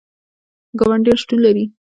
ګاونډیان شتون لري